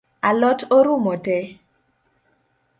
A lot orumo tee?